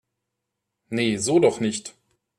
Nee, so doch nicht!